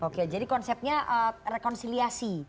oke jadi konsepnya rekonsiliasi